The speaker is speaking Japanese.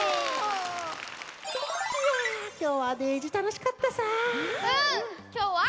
いやきょうはでーじたのしかったさ。